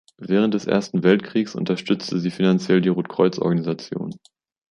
Während des Ersten Weltkriegs unterstützte sie finanziell die Rotkreuz-Organisation.